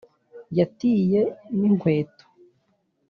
yatiye n'inkweto